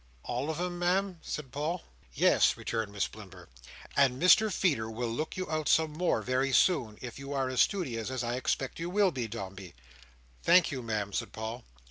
"All of 'em, Ma'am?" said Paul. "Yes," returned Miss Blimber; "and Mr Feeder will look you out some more very soon, if you are as studious as I expect you will be, Dombey." "Thank you, Ma'am," said Paul.